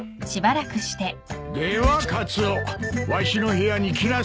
ではカツオわしの部屋に来なさい。